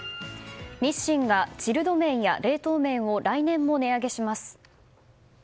日清がチルド麺や冷凍麺を来年も値上げします。